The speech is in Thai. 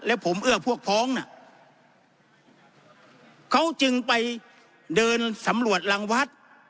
แล้วผมเอื้อพวกพ้องน่ะเขาจึงไปเดินสำรวจรังวัด